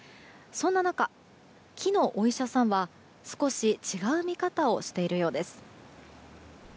そんな中、木のお医者さんは少し違う見方をしているようです。